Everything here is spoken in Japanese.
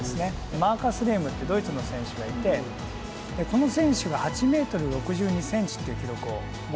マルクス・レームってドイツの選手がいてこの選手が８ｍ６２ｃｍっていう記録を持ってるんですね。